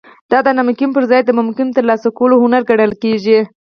دا د ناممکن پرځای د ممکنه ترلاسه کولو هنر ګڼل کیږي